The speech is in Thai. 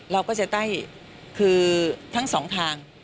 เราก็จะได้คือทั้งสองทาง